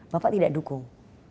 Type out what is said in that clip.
bapak tidak dukung